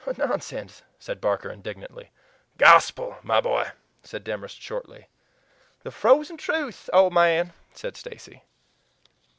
"Nonsense!" said Barker indignantly. "Gospel, my boy!" said Demorest shortly. "The frozen truth, old man!" said Stacy.